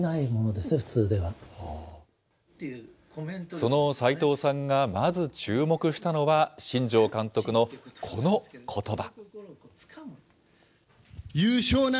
その齋藤さんが、まず注目したのは、新庄監督のこのことば。